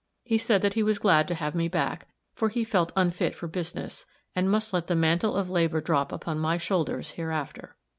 He said that he was glad to have me back, for he felt unfit for business, and must let the mantle of labor drop upon my shoulders hereafter.